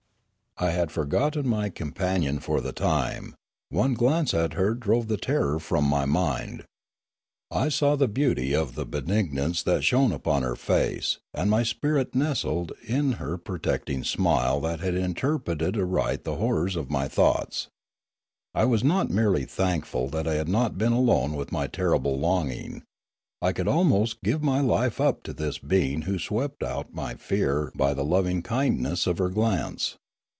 I had forgotten my companion for the time: one glance at her drove the terror from my mind. I saw the beauty of the benignance that shone upon her face, and my spirit nestled in her protecting smile that had interpreted aright the horrors of my thoughts. I was not merely thankful that I had not been alone with my terrible longing: I could almost give my life up to this being who swept out my fear by the loving kindness of her glance.